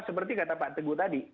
seperti yang kita lihat tadi